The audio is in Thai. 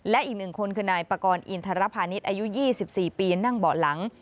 และอีกหนึ่งคนคือนายปากรอินทรภานิษฐ์อายุ๒๔ปีนั่งเบาะหลัง